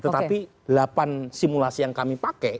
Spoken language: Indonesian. tetapi delapan simulasi yang kami pakai